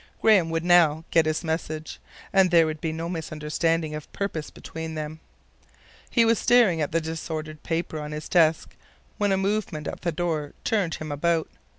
Graham would now get his message, and there could be no misunderstanding of purpose between them. He was staring at the disordered papers on his desk when a movement at the door turned him about.